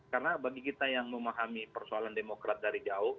karena bagi kita yang memahami persoalan demokrat dari jauh